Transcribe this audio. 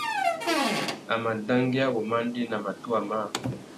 A mà dangüia wumandēna matuwa mâā.